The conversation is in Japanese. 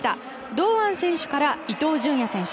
堂安選手から伊東純也選手。